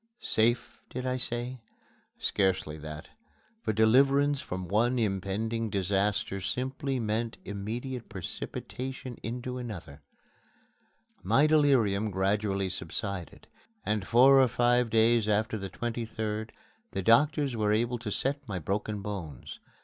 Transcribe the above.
"Safe," did I say? Scarcely that for deliverance from one impending disaster simply meant immediate precipitation into another. My delirium gradually subsided, and four or five days after the 23d the doctors were able to set my broken bones.